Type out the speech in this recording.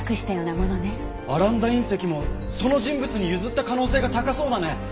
アランダ隕石もその人物に譲った可能性が高そうだね！